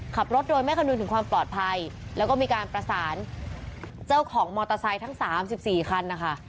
ขับรถโดยไม่คำนึงถึงความปลอดภัยแล้วก็มีการประสานเจ้าของมอเตอร์ไซค์ทั้ง๓๔คันนะคะ